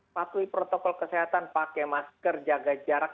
patuhi protokol kesehatan pakai masker jaga jarak